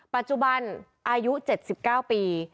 ปัจจุบันอายุ๗๙ปี